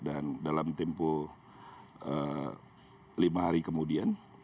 dan dalam tempo lima hari kemudian